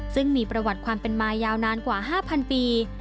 ซึ่งมีประวัติความเป็นมายาวนานกว่า๕๐๐ปี